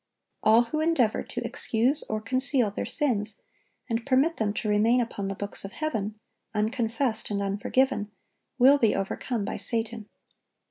All who endeavor to excuse or conceal their sins, and permit them to remain upon the books of heaven, unconfessed and unforgiven, will be overcome by Satan.